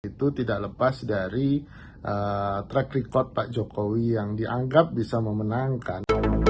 itu tidak lepas dari track record pak jokowi yang dianggap bisa memenangkan